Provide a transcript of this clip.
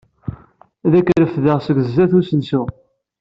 Ad k-refdeɣ seg sdat n usensu.